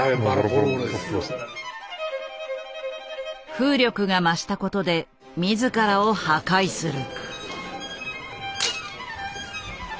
風力が増したことで自らを破壊する。